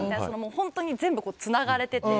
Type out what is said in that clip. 本当に全部つながれてて。